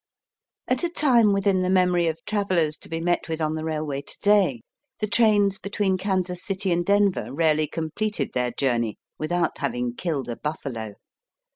69 At a time within the memory of travellers to he met with on the railway to day, the trains between Kansas City and Denver rarely completed their journey without having killed a buffalo.